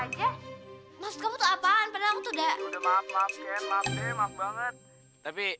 sampai jumpa di video selanjutnya